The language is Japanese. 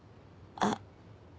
あっ。